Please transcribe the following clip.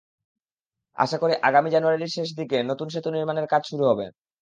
আশা করি, আগামী জানুয়ারির শেষ দিকে নতুন সেতু নির্মাণের কাজ শুরু হবে।